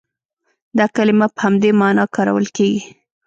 دا کلمه په همدې معنا کارول کېږي.